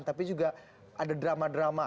tapi juga ada drama drama